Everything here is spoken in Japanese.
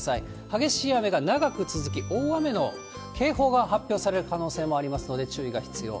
激しい雨が長く続き、大雨の警報が発表される可能性もありますので、注意が必要。